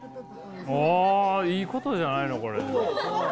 あいいことじゃないのこれ。